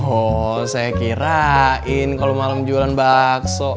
oh saya kirain kalau malam jualan bakso